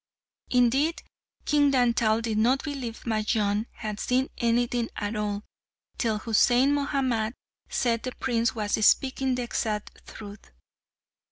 Indeed King Dantal did not believe Majnun had seen anything at all, till Husain Mahamat said the prince was speaking the exact truth.